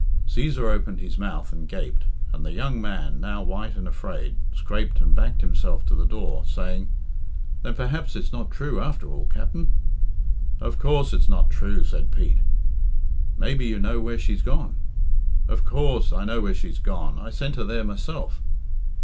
Cæsar opened his mouth and gaped, and the young man, now white and afraid, scraped and backed himself to the door, saying "Then perhaps it's not true, after all, Capt'n?" "Of coorse it's not true," said Pete. "Maybe you know where she's gone." "Of course I know where's she's gone. I sent her there myself!"